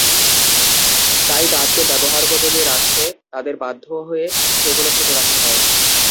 তাই দাঁতকে ব্যবহারোপযোগী রাখতে তাদের বাধ্য হয়ে সেগুলো ছোট রাখতে হয়।